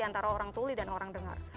antara orang tuli dan orang dengar